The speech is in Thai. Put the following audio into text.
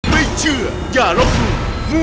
ไม่เชื่ออย่าลองหู